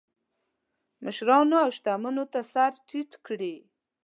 مشرانو او شتمنو ته سر ټیټ کړي.